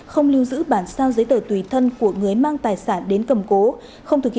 không lưu giữ bản sao giấy tờ tùy thân của người mang tài sản đến cầm cố